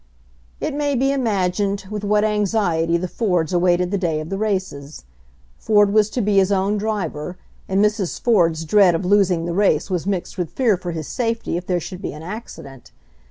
It may be imagined with what anxiety the Fords awaited the day of the races. Ford was to be his own driver, and Mrs. Ford's dread of losing the race was mixed with fear for his safety if there should be an accident.